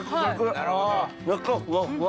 中ふわふわ。